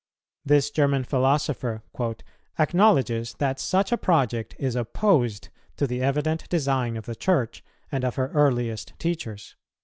This German philosopher "acknowledges that such a project is opposed to the evident design of the Church, and of her earliest teachers."